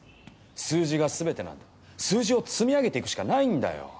数字が全てなんだ数字を積み上げていくしかないんだよ。